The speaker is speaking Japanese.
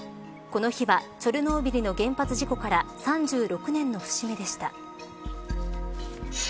この日はチョルノービリの原発事故から３６年の節目でした。